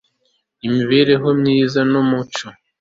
imibereho myiza no mu muco